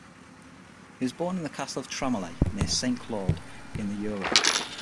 He was born in the castle of Tramelay near Saint-Claude in the Jura.